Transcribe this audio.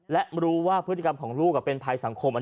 และรู้ว่าพฤติกรรมของลูกเป็นภัยสังคม